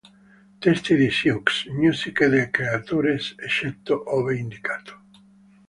Testi di Sioux, musiche dei Creatures, eccetto ove indicato.